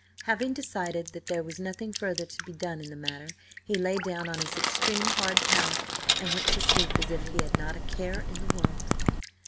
Having decided that there was nothing further to be done in the matter he lay down on his extremely hard pallet, and went to sleep as if he had not a care in the world.